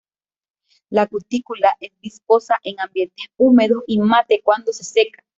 La cutícula es viscosa en ambientes húmedos, y mate cuando se seca.